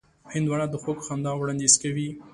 هندوانه د خوږ خندا وړاندیز کوي.